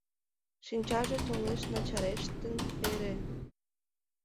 «Шинчаже толеш начарештын эре.